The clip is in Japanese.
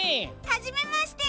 はじめまして。